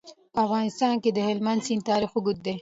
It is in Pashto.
په افغانستان کې د هلمند سیند تاریخ اوږد دی.